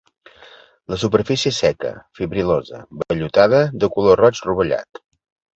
La superfície és seca, fibril·losa, vellutada, de color roig rovellat.